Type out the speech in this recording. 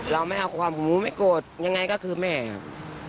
เราไม่เอาความหูไม่โกรธยังไงก็คือแม่ครับ